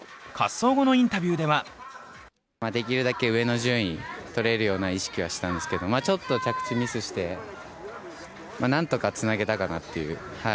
滑走後のインタビューではできるだけ上の順位を取れるような意識はしたんですけど、ちょっと着地、ミスして、なんとかつなげたかなっていう。